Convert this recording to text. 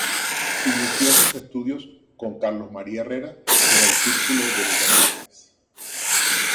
Inició sus estudios con Carlos María Herrera en el Círculo de Bellas Artes.